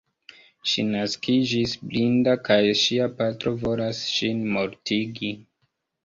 Ŝi naskiĝis blinda kaj ŝia patro volas ŝin mortigi.